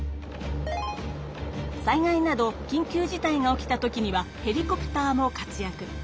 災害など緊急事態が起きた時にはヘリコプターも活やく。